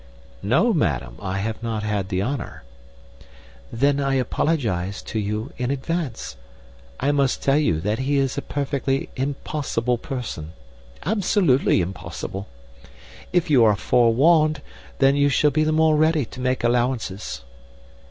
"No, madam, I have not had the honor." "Then I apologize to you in advance. I must tell you that he is a perfectly impossible person absolutely impossible. If you are forewarned you will be the more ready to make allowances."